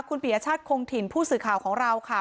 คุณปียชาติคงถิ่นผู้สื่อข่าวของเราค่ะ